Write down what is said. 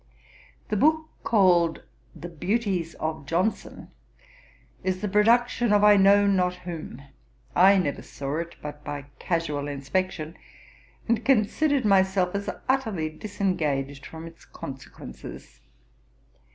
The book called The Beauties of Johnson is the production of I know not whom: I never saw it but by casual inspection, and considered myself as utterly disengaged from its consequences.